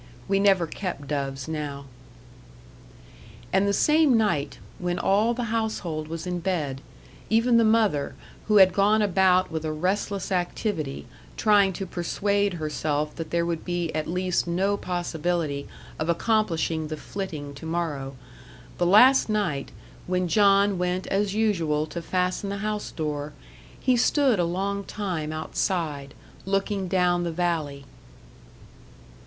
We never kept doves now. And the same night, when all the household was in bed even the mother, who had gone about with a restless activity, trying to persuade herself that there would be at least no possibility of accomplishing the flitting to morrow the last night, when John went as usual to fasten the house door, he stood a long time outside, looking down the valley.